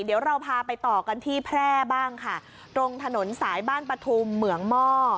เดี๋ยวเราพาไปต่อกันที่แพร่บ้างค่ะตรงถนนสายบ้านปฐุมเหมืองหม้อ